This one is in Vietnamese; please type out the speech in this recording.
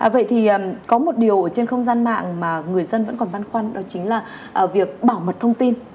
vậy thì có một điều trên không gian mạng mà người dân vẫn còn băn khoăn đó chính là việc bảo mật thông tin